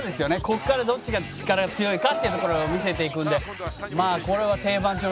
ここからどっちが力強いかっていうところを見せていくのでこれは定番中の定番ですけど。